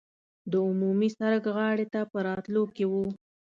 د عمومي سړک غاړې ته په راوتلو کې وو.